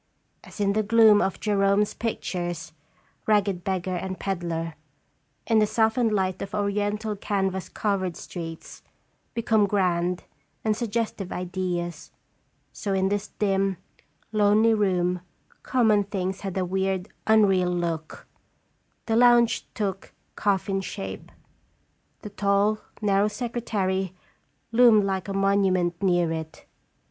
As in the gloom of Gerome's pictures, rag ged beggar and peddler, in the softened light of oriental canvas covered streets, become grand and suggestive ideals, so in this dim, lonely room common things had a weird, un real look; the lounge took coffin shape ; the tall, narrow secretary loomed like a monument near it.